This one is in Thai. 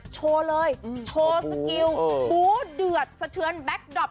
โชว์เลยโชว์สกิลบูเดือดสะเทือนแบ็คดอป